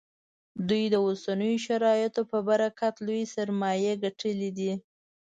دوی د اوسنیو شرایطو په برکت لویې سرمایې ګټلې دي